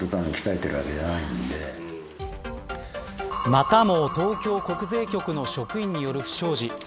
またも東京国税局の職員による不祥事。